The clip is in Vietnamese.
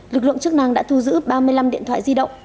lực lượng chức năng đã thu giữ ba mươi năm điện thoại di động